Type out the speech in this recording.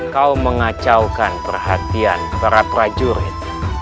kau mengacaukan perhatian para prajurit